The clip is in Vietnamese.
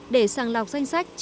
để sàng lọc danh sách